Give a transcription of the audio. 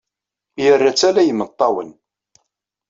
Yerra-tt ala i imeṭṭawen.